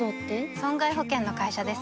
損害保険の会社です